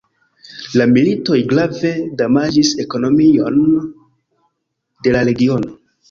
La militoj grave damaĝis ekonomion de la regiono.